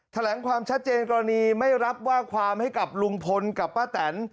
แถลงความชัดเจนกรณีไม่รับว่าความให้กับลุงพลกับป้าแตน